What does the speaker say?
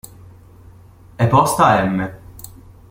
È posta a m.